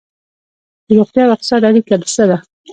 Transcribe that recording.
د روغتیا او اقتصاد اړیکه څه ده؟